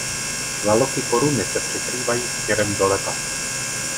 Laloky koruny se překrývají směrem doleva.